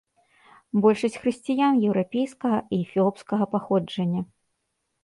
Большасць хрысціян еўрапейскага і эфіопскага паходжання.